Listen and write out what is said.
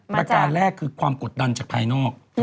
ประการแรกคือความกดดันจากภายนอก